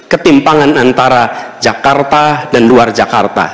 ketimpangan antara jakarta dan luar jakarta